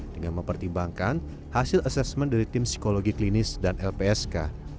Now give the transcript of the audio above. dengan mempertimbangkan hasil asesmen dari tim psikologi klinis dan lpsk